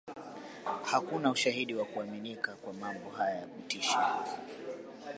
Hakuna ushahidi wa kuaminika wa mambo haya ya kutisha